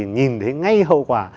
nhìn thấy ngay hậu quả